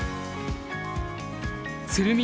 鶴見